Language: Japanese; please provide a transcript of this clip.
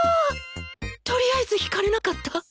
とりあえず引かれなかった？